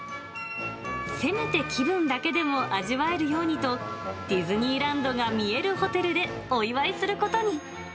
せめて気分だけでも味わえるようにと、ディズニーランドが見えるホテルでお祝いすることに。